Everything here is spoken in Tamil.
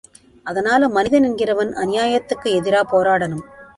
அதனால மனிதன் என்கிறவன் அநியாயத்துக்கு எதிரா போராடணும்.